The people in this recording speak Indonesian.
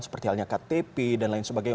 seperti halnya ktp dan lain sebagainya